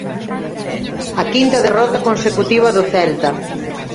A quinta derrota consecutiva do Celta.